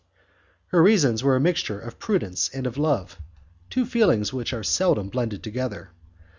Her reasons were a mixture of prudence and of love, two feelings which are seldom blended together.